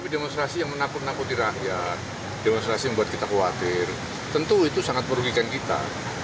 demonstrasi yang menakut nakuti rakyat demonstrasi yang membuat kita khawatir tentu itu sangat merugikan kita